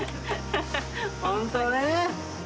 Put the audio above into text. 本当ね。